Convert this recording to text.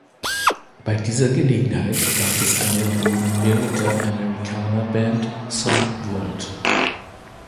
Bei dieser Gelegenheit gab es eine Reunion der Americana-Band Son Volt.